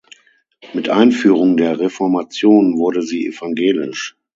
Mit Einführung der Reformation wurde sie evangelisch.